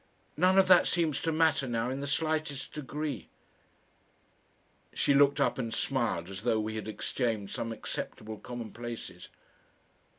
"None of that seems to matter now in the slightest degree." She looked up and smiled as though we had exchanged some acceptable commonplaces.